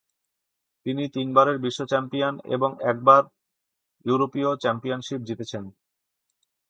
তিনি তিনবারের বিশ্ব চ্যাম্পিয়ন এবং একবার ইউরোপীয় চ্যাম্পিয়নশিপ জিতেছেন।